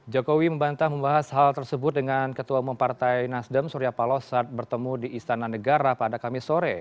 jokowi membantah membahas hal tersebut dengan ketua bumpartai nasdem surya palosat bertemu di istana negara pada kamis sore